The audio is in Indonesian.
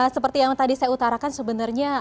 seperti yang tadi saya utarakan sebenarnya